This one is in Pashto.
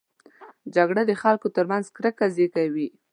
جګړه د خلکو ترمنځ کرکه زېږوي